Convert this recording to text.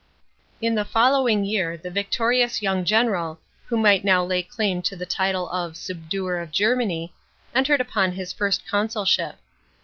§ 6. In the following year the victorious young general, who might now lay claim to the title of " subduer of Germany," entered upon his first consulship.